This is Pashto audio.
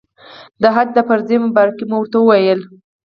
د حج د فرضې مبارکي مو ورته وویله.